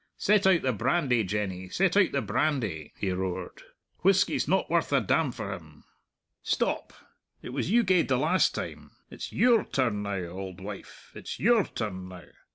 Set out the brandy, Jenny, set out the brandy," he roared; "whisky's not worth a damn for him! Stop; it was you gaed the last time it's your turn now, auld wife, it's your turn now!